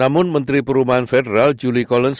namun menteri perumahan federal julie collens